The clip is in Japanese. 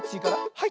はい。